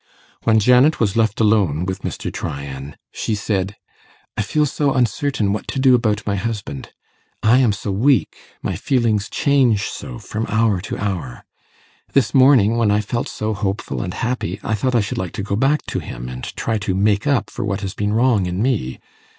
When Janet was left alone with Mr. Tryan, she said, 'I feel so uncertain what to do about my husband. I am so weak my feelings change so from hour to hour. This morning, when I felt so hopeful and happy, I thought I should like to go back to him, and try to make up for what has been wrong in me.